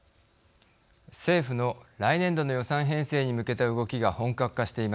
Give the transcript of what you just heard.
政府の来年度の予算編成に向けた動きが本格化しています。